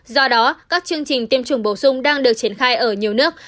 do đó các chương trình tiêm chủng bổ sung đang được triển khai ở nhiều nước